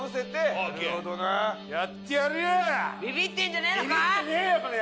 ビビってんじゃねえのか？